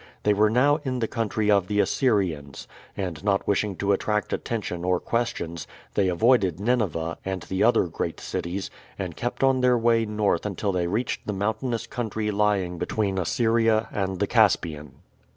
They were now in the country of the Assyrians, and not wishing to attract attention or questions, they avoided Nineveh and the other great cities, and kept on their way north until they reached the mountainous country lying between Assyria and the Caspian.